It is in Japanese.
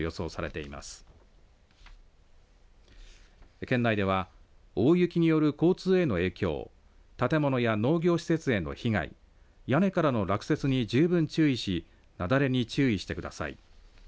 県内では大雪による交通への影響建物や農業施設への被害屋根からの落雪に十分注意し雪崩に注意してください。